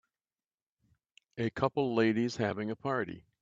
A couple ladies having a party.